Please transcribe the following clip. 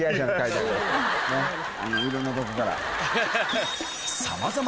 ねっいろんなとこから。